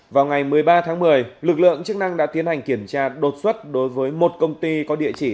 vào ngày một mươi ba tháng một mươi lực lượng chức năng đã tiến hành kiểm tra đột xuất đối với một công ty có địa chỉ